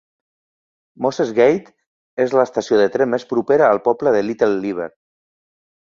Moses Gate és l'estació de tren més propera al poble de Little Lever.